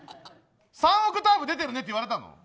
３オクターブ出てるねって言われたの？